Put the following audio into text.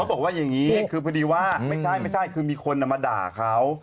บอกว่าอย่างนี้คือพอดีว่าไม่ใช่ไม่ใช่คือมีคนมาด่าเขา